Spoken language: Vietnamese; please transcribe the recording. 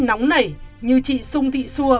nóng nảy như chị xung thị xua